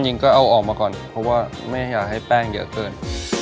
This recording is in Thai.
จริงก็เอาออกมาก่อนเพราะว่าไม่อยากให้แป้งเยอะเกิน